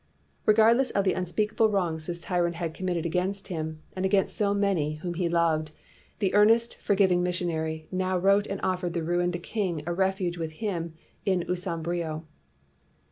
Regardless of the unspeakable wrongs this tyrant had committed against him and 258 HE LAYS DOWN HIS TOOLS against so many whom he loved, the earnest, forgiving missionary now wrote and offered the ruined king a refuge with him in Usam biro.